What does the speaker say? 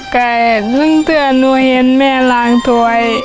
แกรึงเที่ยวหนูเห็นแม่ลังทัวร์